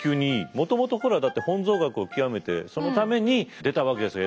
もともとほらだって本草学を究めてそのために出たわけですよ